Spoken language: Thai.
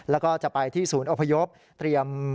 และก็จะไปที่ศูนย์อพยพ